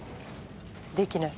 できない。